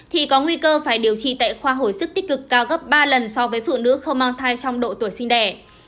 thì có nguy cơ phải điều trị tại khoa hồi sức tích cực cao gấp ba lần so với phụ nữ không mang thai trong độ tuổi sinh đẻ